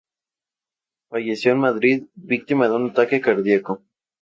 Falleció en Madrid víctima de un ataque cardíaco.